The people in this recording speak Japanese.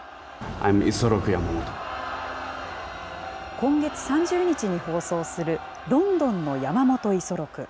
今月３０日に放送する、倫敦ノ山本五十六。